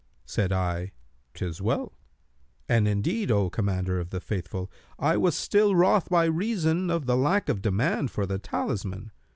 Said I, ''Tis well,' and indeed, O Commander of the Faithful, I was still wroth by reason of the lack of demand for the talisman.